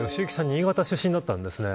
新潟出身だったんですね。